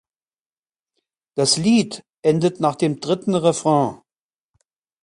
Das Lied endet nach dem dritten Refrain.